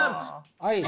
はい。